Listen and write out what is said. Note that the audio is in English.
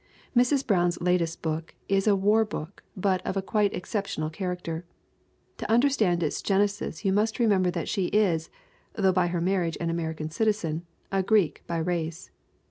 Mrs. Brown's latest book is a war book but of a quite exceptional character. To understand its gen esis you must remember that she is, though by her marriage an American citizen, a Greek by race.